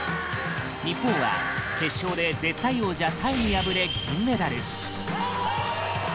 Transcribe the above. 日本は、決勝で絶対王者、タイに敗れ銀メダル。